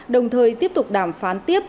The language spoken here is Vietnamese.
đồng thời tiếp tục đàm phán tiếp